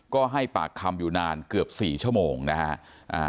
ก็ให้ปากคำอยู่นานเกือบสี่ชั่วโมงนะฮะ